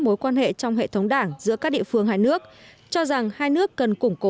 mối quan hệ trong hệ thống đảng giữa các địa phương hai nước cho rằng hai nước cần củng cố